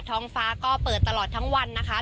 ท้องฟ้าก็เปิดตลอดทั้งวันนะคะ